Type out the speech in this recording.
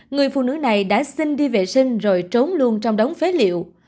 người phụ nữ này đã xin đi vệ sinh rồi trốn luôn trong đống phế liệu